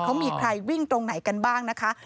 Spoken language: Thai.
เขามีใครวิ่งตรงไหนกันบ้างนะคะ